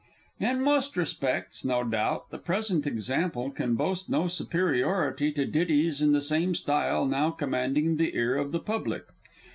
"] In most respects, no doubt, the present example can boast no superiority to ditties in the same style now commanding the ear of the public.